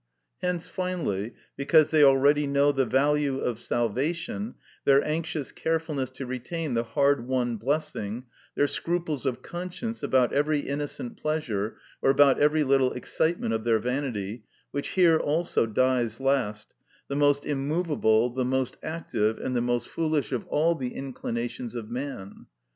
Hence, finally, because they already know the value of salvation, their anxious carefulness to retain the hard won blessing, their scruples of conscience about every innocent pleasure, or about every little excitement of their vanity, which here also dies last, the most immovable, the most active, and the most foolish of all the inclinations of man.